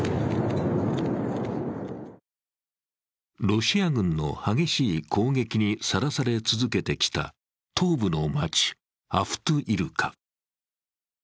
ロシア軍の激しい攻撃にさらされ続けてきた東部の街アフトゥイルカ。